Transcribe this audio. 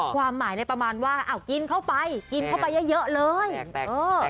ความหมายเลยประมาณว่ากินเข้าไปกินเข้าไปเยอะเลย